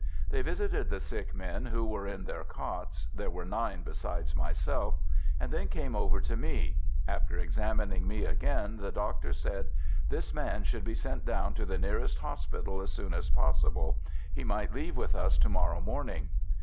They visited the sick men who were in their cots there were nine besides myself and then came over to me. After examining me again, the doctor said: "This man should be sent down to the nearest hospital as soon as possible. He might leave with us to morrow morning."